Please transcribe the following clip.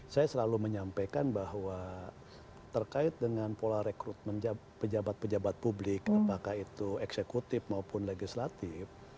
saya selalu menyampaikan bahwa terkait dengan pola rekrutmen pejabat pejabat publik apakah itu eksekutif maupun legislatif